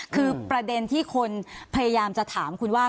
คือประเด็นที่คนพยายามจะถามคุณว่า